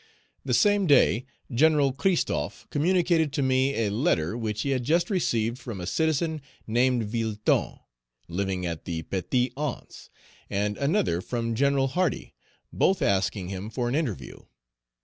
The same day, Gen. Christophe communicated to me a letter which he had just received from a citizen named Vilton, living at the Petite Anse, and another from Gen. Hardy, both asking him for an interview.